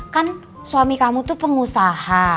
kan suami kamu tuh pengusaha